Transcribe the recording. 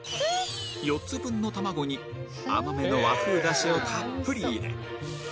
４つ分の卵に甘めの和風出汁をたっぷり入れ